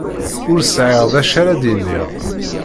Ur sɛiɣ d acu ara d-iniɣ.